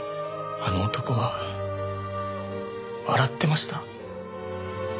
あの男は笑ってました。